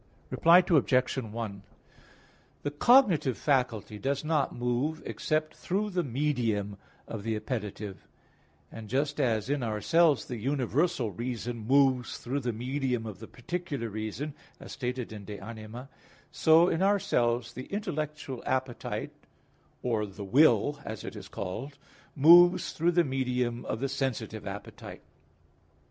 Reply Obj. 1: The cognitive faculty does not move except through the medium of the appetitive: and just as in ourselves the universal reason moves through the medium of the particular reason, as stated in De Anima iii, 58, 75, so in ourselves the intellectual appetite, or the will as it is called, moves through the medium of the sensitive appetite.